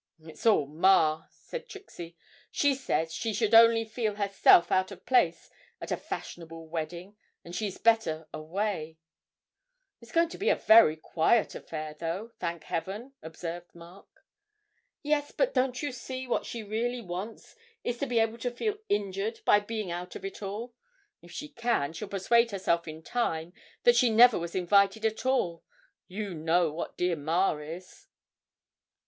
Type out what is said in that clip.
'It's all ma,' said Trixie; 'she says she should only feel herself out of place at a fashionable wedding, and she's better away.' 'It's to be a very quiet affair, though, thank Heaven!' observed Mark. 'Yes, but don't you see what she really wants is to be able to feel injured by being out of it all if she can, she'll persuade herself in time that she never was invited at all; you know what dear ma is!'